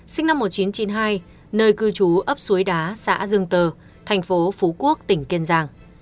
sinh năm một nghìn chín trăm chín mươi hai nơi cư trú ấp suối đá xã dương tờ thành phố phú quốc tỉnh kiên giang